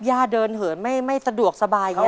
เดินเหินไม่สะดวกสบายอย่างนี้